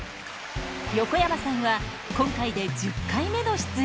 横山さんは今回で１０回目の出演。